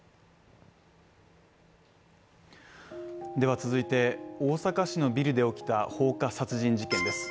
続いて、大阪市のビルで起きた放火殺人事件です